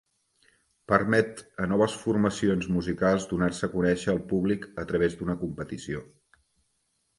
Permet a noves formacions musicals donar-se conèixer al públic a través d'una competició.